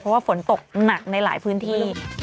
เพราะว่าฝนตกหนักในหลายพื้นที่